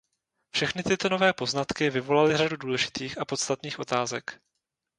Všechny tyto nové poznatky vyvolaly řadu důležitých a podstatných otázek.